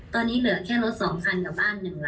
ตอนนี้เหลือแค่รถสองคันกับบ้านหนึ่งละ